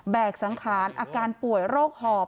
กสังขารอาการป่วยโรคหอบ